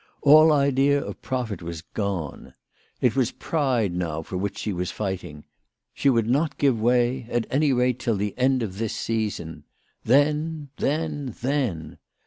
All idea of profit was gone. It was pride now for which she was fighting. She would not give way, at any rate till the end of this season. Then then then